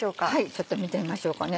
ちょっと見てみましょうかね。